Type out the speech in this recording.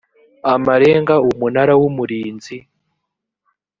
amarenga umunara w umurinzi